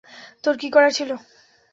তোর কী করার ছিল?